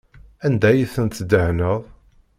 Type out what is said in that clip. Anda ay tent-tdehneḍ?